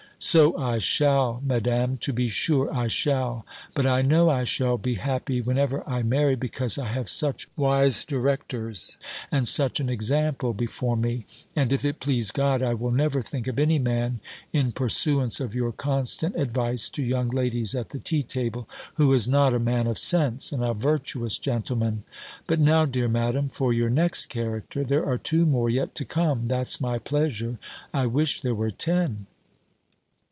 "So I shall, Madam! To be sure I shall! But I know I shall be happy whenever I marry, because I have such wise directors, and such an example, before me: and, if it please God, I will never think of any man (in pursuance of your constant advice to young ladies at the tea table), who is not a man of sense, and a virtuous gentleman. But now, dear Madam, for your next character. There are two more yet to come, that's my pleasure! I wish there were ten!"